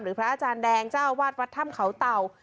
พระอาจารย์แดงเจ้าวาดวัดถ้ำเขาเต่า